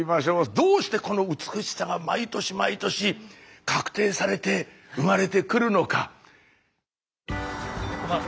どうしてこの美しさが毎年毎年確定されて生まれてくるのか？